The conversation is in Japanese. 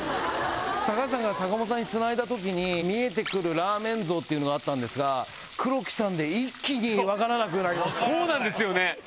橋さんが坂本さんにつないだ時に見えてくるラーメン像っていうのがあったんですが黒木さんで一気に分からなくなりましたそうなんですよね